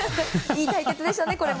いい対決でしたね。